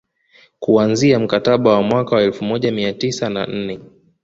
Kuanzia mkataba wa mwaka wa elfu moja mia tisa na nne